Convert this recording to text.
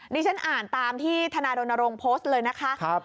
ดิฉันอ่านตามที่ธนายรณรงค์โพสต์เลยนะคะ